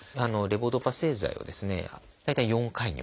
レボドパ製剤をですね大体４回に分ける。